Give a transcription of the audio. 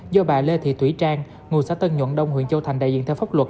do bà lê thị thủy trang ngụ xã tân nhuận đông huyện châu thành đại diện theo pháp luật